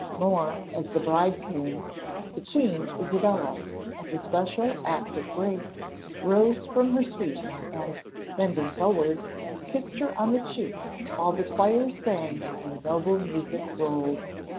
More, as the bride came, the queen Isabella, as a special act of grace, rose from her seat and, bending forward, kissed her on the cheek, while the choir sang and the noble music rolled.